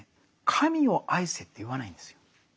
神を愛せと言わないんですよ。